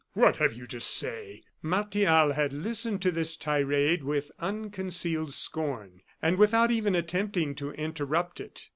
what have you to say?" Martial had listened to this tirade with unconcealed scorn, and without even attempting to interrupt it.